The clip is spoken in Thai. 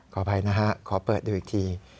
ขออภัยนะฮะขอเปิดดูอีกที